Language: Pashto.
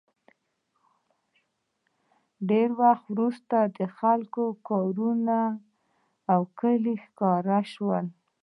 ډېر وخت وروسته د خلکو کورونه او کلي ښکاره شول